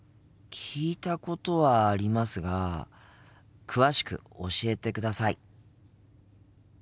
聞いたことはありますが詳しく教えてください。